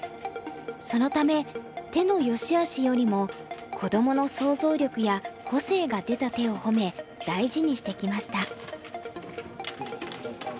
そのため手の善しあしよりも子どもの想像力や個性が出た手を褒め大事にしてきました。